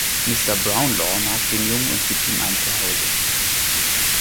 Mr. Brownlow mag den Jungen und gibt ihm ein Zuhause.